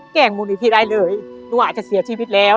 แกล้งมูลมีพี่ได้เลยหนูอาจจะเสียชีวิตแล้ว